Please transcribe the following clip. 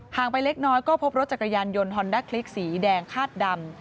ไปเล็กน้อยก็พบรถจักรยานยนต์ฮอนด้าคลิกสีแดงคาดดำ